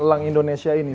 lang indonesia ini